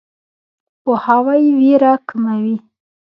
پوهاوی ویره کموي.